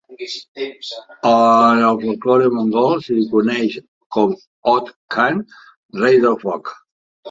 En el folklore mongol, se li coneix com Od Khan "rei del foc".